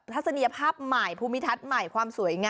ทัศนียภาพใหม่ภูมิทัศน์ใหม่